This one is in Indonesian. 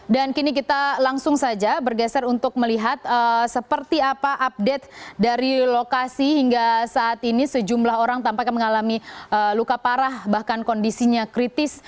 dan kini kita langsung saja bergeser untuk melihat seperti apa update dari lokasi hingga saat ini sejumlah orang tampaknya mengalami luka parah bahkan kondisinya kritis